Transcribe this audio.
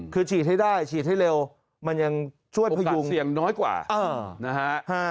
คือฉีดให้ได้ฉีดให้เร็วมันยังช่วยพยุงเสี่ยงน้อยกว่านะฮะ